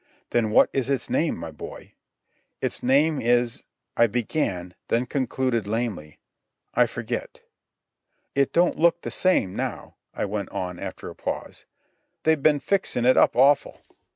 "Then what is its name, my boy?" "It's name is ..." I began, then concluded lamely, "I, forget." "It don't look the same now," I went on after a pause. "They've ben fixin' it up awful."